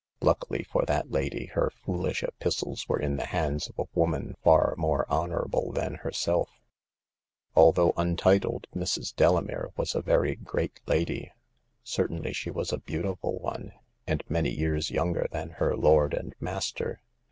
Luckily for that lady, her foolish epistles were in the hands of a woman far more honorable than herself. Although untitled, Mrs. Delamere was a very great lady. Certainly she was a beautiful one, and many years younger than her lord and master.